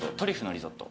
リゾット。